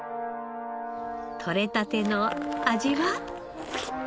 採れたての味は？